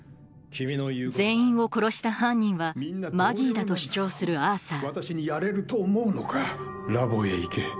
全員を殺した犯人はマギーだと主張するアーサーラボへ行け。